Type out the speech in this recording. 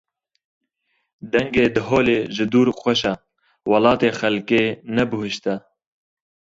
Dengê diholê ji dûr xweş e, welatê xelkê ne buhişt e.